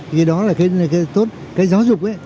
thì đó là cái tốt cái giáo dục ấy